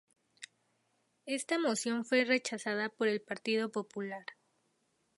Esta moción fue rechazada por el Partido Popular.